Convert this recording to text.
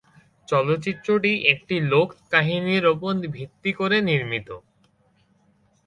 চলচ্চিত্রটি একটি লোক কাহিনীর উপর ভিত্তি করে নির্মিত।